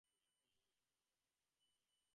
ঐ বাচ্চাগুলোকে খুঁজে পাওয়ার জন্যই ও ছাড়া গতি নেই।